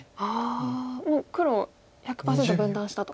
ああもう黒を１００％分断したと。